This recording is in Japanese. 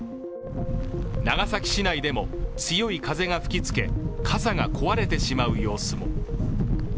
長崎市内でも、強い風が吹き付け傘が壊れてしまう様子も。